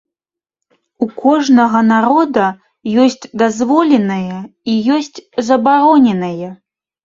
У кожнага народа ёсць дазволенае і ёсць забароненае.